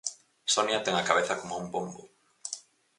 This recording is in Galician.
Sonia ten a cabeza coma un bombo.